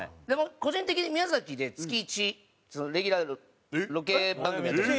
個人的に宮崎で月１レギュラーのロケ番組やってるんですね。